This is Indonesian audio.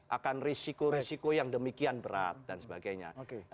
akan risiko risiko yang demikian berat dan sebagainya